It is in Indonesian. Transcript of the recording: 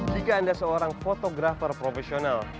jika anda seorang fotografer profesional